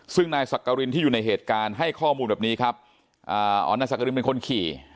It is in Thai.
ซึ่งนายสักกรินที่อยู่ในเหตุการณ์ให้ข้อมูลแบบนี้ครับอ่าอ๋อนายสักกรินเป็นคนขี่